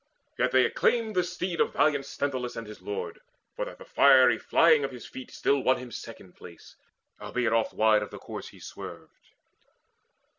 Yet they acclaimed The steed of valiant Sthenelus and his lord, For that the fiery flying of his feet Still won him second place, albeit oft Wide of the course he swerved.